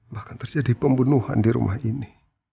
bahkan terjadi pembunuhan di rumah ini